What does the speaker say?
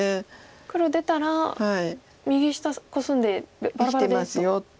黒出たら右下コスんでバラバラですと。